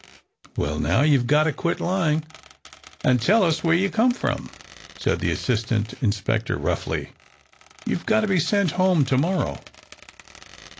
"Well, now, you've got to quit lying and tell us where you come from," said the assistant inspector, roughly. "You've got to be sent home to morrow."